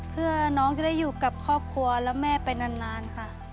เพื่อน้องจะได้อยู่กับครอบครัวและแม่ไปนานค่ะ